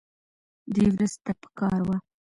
دې ورځ ته پکار وه